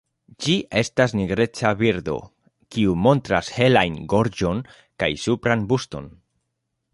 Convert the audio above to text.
Ĝi estas nigreca birdo, kiu montras helajn gorĝon kaj supran bruston.